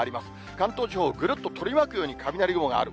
関東地方をぐるっと取り巻くように雷雲がある。